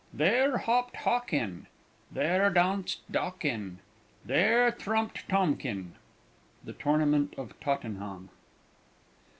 "Ther hopped Hawkyn, Ther daunsed Dawkyn, Ther trumped Tomkyn...." _The Tournament of Tottenham.